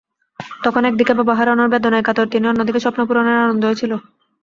তখন একদিকে বাবাকে হারানোর বেদনায় কাতর তিনি, অন্য দিকে স্বপ্নপূরণের আনন্দও ছিল।